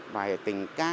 bài tình ca